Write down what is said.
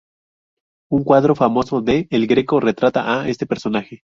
Un cuadro famoso de El Greco retrata a este personaje.